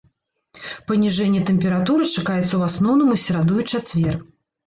Паніжэнне тэмпературы чакаецца ў асноўным у сераду і чацвер.